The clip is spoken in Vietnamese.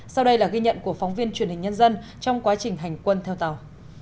sau đây là ghi nhận của phóng viên truyền hình nhân dân trong quá trình hành quân theo tàu